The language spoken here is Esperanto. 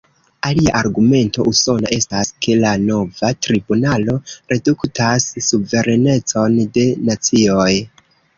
Alia argumento usona estas, ke la nova tribunalo reduktas suverenecon de nacioj.